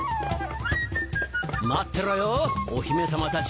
待ってろよお姫様たち！